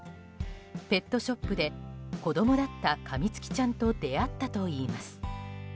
ペットショップで子供だったカミツキちゃんと出会ったといいます。